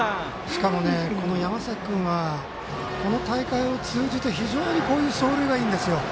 しかも山崎君はこの大会を通じて非常にこういう走塁がいいんですよ。